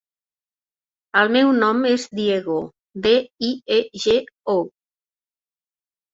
El meu nom és Diego: de, i, e, ge, o.